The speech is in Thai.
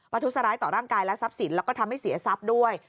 ทุษร้ายต่อร่างกายและทรัพย์สินแล้วก็ทำให้เสียทรัพย์ด้วย